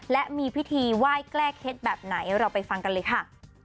และมีพิธีไหว้แก้เคล็ดแบบไหนเราไปฟังกันเลยค่ะ